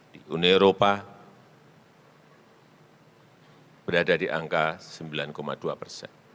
di uni eropa berada di angka sembilan dua persen